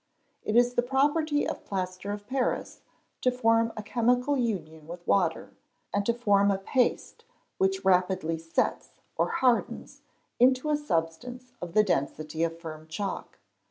It is the property of plaster of Paris to form a chemical union with water, and to form a pasto winch rapidly "sets" or hardens into a substance of the density of firm chalk.